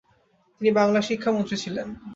তিনি বাংলার শিক্ষা মন্ত্রী ছিলেন।